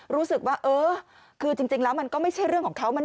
รู้สึกว่าเออคือจริงแล้วมันก็ไม่ใช่เรื่องของเขา